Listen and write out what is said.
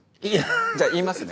じゃあ言いますね。